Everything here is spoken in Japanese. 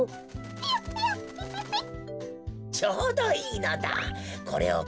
ピヨピヨピヨピヨピヨ。